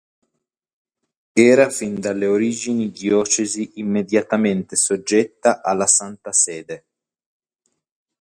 Era fin dalle origini diocesi immediatamente soggetta alla Santa Sede.